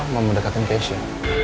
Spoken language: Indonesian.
mau mendekatin keisha